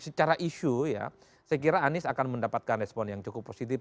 secara isu ya saya kira anies akan mendapatkan respon yang cukup positif